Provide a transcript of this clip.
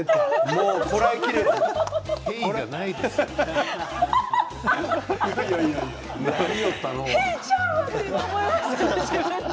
もうこらえきれずに。